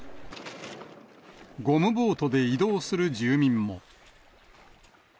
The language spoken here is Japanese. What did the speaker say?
ゴムボートで移動する住民も。